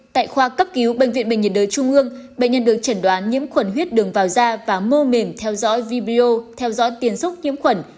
tại khoa cấp cứu bệnh viện bệnh nhiệt đới trung ương bệnh nhân được chẩn đoán nhiễm khuẩn huyết đường vào da và mô mềm theo dõi video theo dõi tiền xúc nhiễm khuẩn